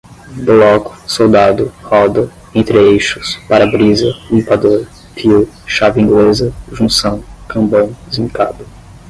bloco, soldado, roda, entre-eixos, para-brisa, limpador, fio, chave inglesa, junção, cambão, zincado